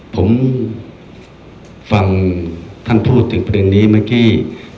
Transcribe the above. ผมฟังท่านพูดถึงประเด็นนี้เมื่อกี้